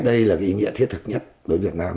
đây là cái ý nghĩa thiết thực nhất đối với việt nam